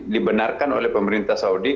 dibenarkan oleh pemerintah saudi